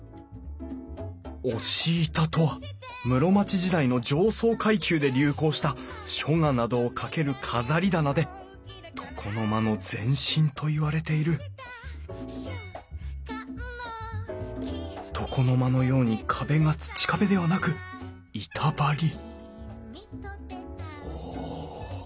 押し板とは室町時代の上層階級で流行した書画などをかける飾り棚で床の間の前身といわれている床の間のように壁が土壁ではなく板張りおお。